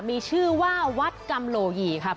มีชื่อว่าวัดกำโลหยีครับ